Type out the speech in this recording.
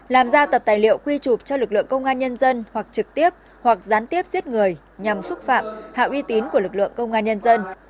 làm ra tập tài liệu quy chụp cho lực lượng công an nhân dân hoặc trực tiếp hoặc gián tiếp giết người nhằm xúc phạm hạ uy tín của lực lượng công an nhân dân